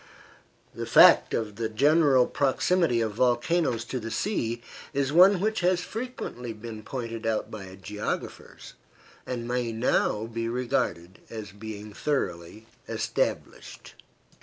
The fact of the general proximity of volcanoes to the sea is one which has frequently been pointed out by geographers, and may now be regarded as being thoroughly established.